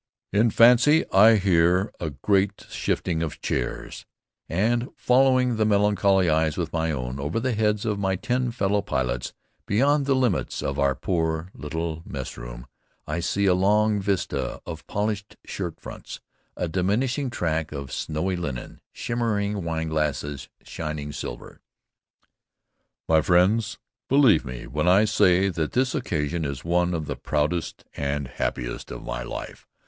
In fancy, I hear a great shifting of chairs, and following the melancholy eyes with my own, over the heads of my ten fellow pilots, beyond the limits of our poor little messroom, I see a long vista of polished shirt fronts, a diminishing track of snowy linen, shimmering wineglasses, shining silver. "My friends, believe me when I say that this occasion is one of the proudest and happiest of my life.